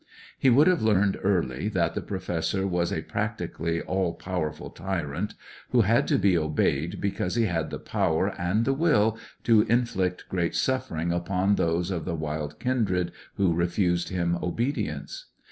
He would have learned early that the Professor was a practically all powerful tyrant, who had to be obeyed because he had the power and the will to inflict great suffering upon those of the wild kindred who refused him obedience.